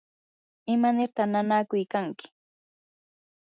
¿imanirta nakakuykanki?